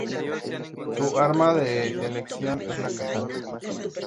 Su arma de elección es la katana.